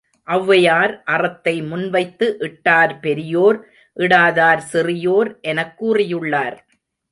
ஒளவையார் அறத்தை முன் வைத்து இட்டார் பெரியோர் இடாதார் சிறியோர் எனக் கூறியுள்ளார்.